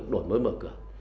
đổi mới mở cửa